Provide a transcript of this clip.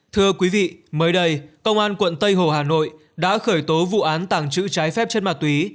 thưa quý vị mới đây công an quận tây hồ hà nội đã khởi tố vụ án tàng trữ trái phép chất ma túy